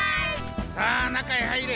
さあ中へ入れ。